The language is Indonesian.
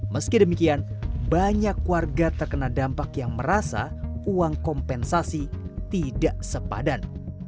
meski demikian banyak warga terkena dampak yang merasa uang kompensasi tidak sepadan